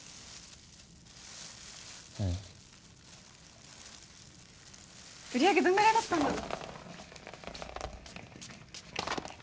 うん売り上げどんぐらいだったんだろ